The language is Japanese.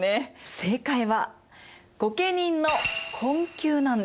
正解は御家人の困窮なんです。